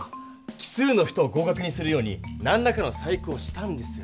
奇数の人を合かくにするようになんらかの細工をしたんですよ。